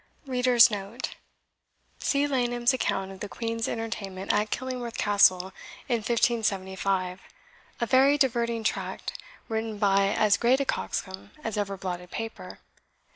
[See Laneham's Account of the Queen's Entertainment at Killingworth Castle, in 1575, a very diverting tract, written by as great a coxcomb as ever blotted paper.